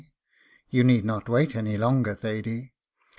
You need not wait any longer, Thady.